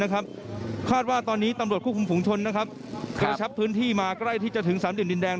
คาดว่าตอนนี้ตำรวจควบคุมฝุงชนกระชับพื้นที่มาใกล้ที่จะถึงสามเหลี่ยดินแดง